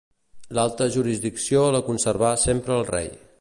L'alta jurisdicció la conservà sempre el rei.